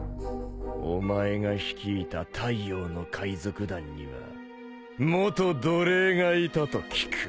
お前が率いたタイヨウの海賊団には元奴隷がいたと聞く。